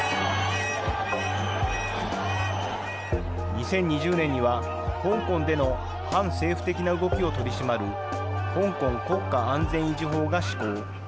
２０２０年には、香港での反政府的な動きを取り締まる香港国家安全維持法が施行。